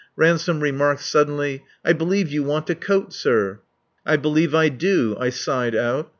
Ransome remarked suddenly: "I believe you want a coat, sir." "I believe I do," I sighed out.